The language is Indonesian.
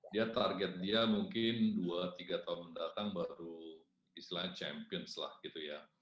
dia target dia mungkin dua tiga tahun mendatang baru istilahnya champions lah gitu ya